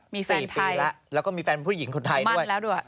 ๔ปีแล้วแล้วก็มีแฟนผู้หญิงคุณไทยด้วย